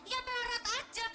ya melarat aja